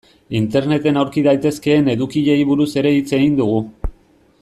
Interneten aurki daitezkeen edukiei buruz ere hitz egin dugu.